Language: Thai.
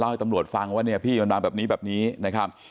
ให้ตำรวจฟังว่าเนี่ยพี่มันมาแบบนี้แบบนี้นะครับ